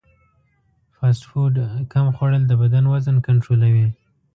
فاسټ فوډ کم خوړل د بدن وزن کنټرولوي.